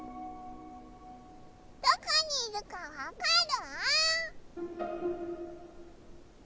どこにいるかわかる？